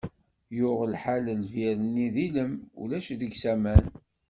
Yuɣ lḥal lbir-nni d ilem, ulac deg-s aman.